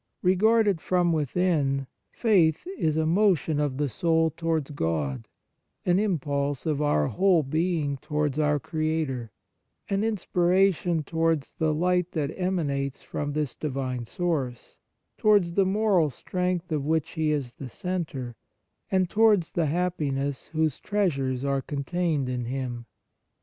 Regarded from within, faith is a motion of the soul towards God, an impulse of our whole being towards our Creator, an inspiration towards the light that emanates from this divine source, towards the moral strength of which He is the centre, and towards the happiness whose treasures are contained in Him.